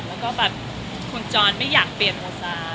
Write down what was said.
แล้วก็แบบคุณจอห์นไม่อยากเปลี่ยนโอกาส